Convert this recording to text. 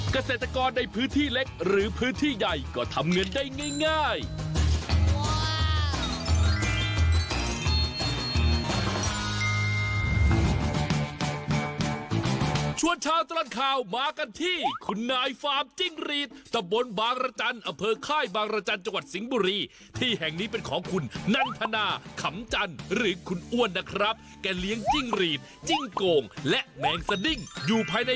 เกษตรกรในพื้นที่เล็กหรือพื้นที่ใหญ่ก็ทำเงินได้ง่าย